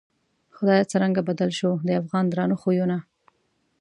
خدایه څرنگه بدل شوو، د افغان درانه خویونه